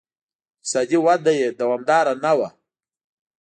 اقتصادي وده یې دوامداره نه وه.